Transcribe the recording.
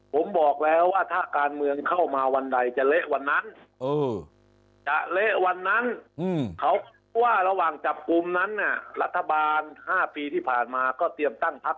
ผมบอกแล้วว่าถ้าการเมืองเข้ามาวันใดจะเละวันนั้น